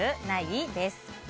ない？です。